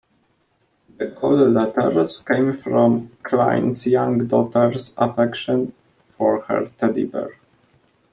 The call letters come from Klein's young daughter's affection for her teddy bear.